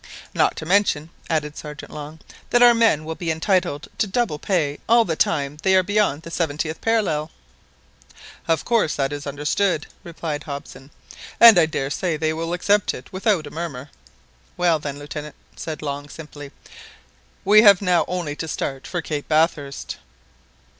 "Not to mention," added Sergeant Long, "that our men will be entitled to double pay all the time they are beyond the seventieth parallel." "Of course that is understood," replied Hobson; "and I daresay they will accept it without a murmur." "Well then, Lieutenant," said Long simply, "we have now only to start for Cape Bathurst."